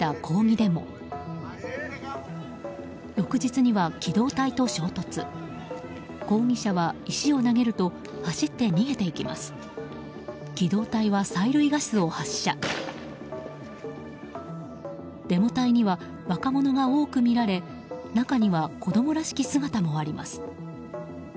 デモ隊には若者が多く見られ中には子供らしき姿もあります。